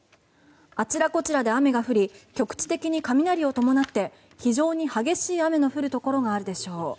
あちらこちらで雨が降り局地的に雷を伴って非常に激しい雨の降るところがあるでしょう。